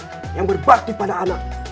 yang berbakti pada anak